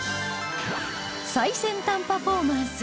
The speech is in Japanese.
最先端パフォーマンス！